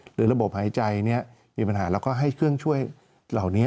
หรือระบบหายใจมีปัญหาแล้วก็ให้เครื่องช่วยเหล่านี้